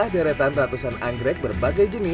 sekitar satu ton setengah gitu